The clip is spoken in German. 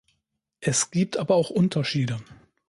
Es gibt aber auch Unterschiede.